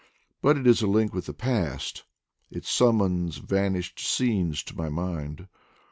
But it is a link with the past, it summons vanished scenes to my mind.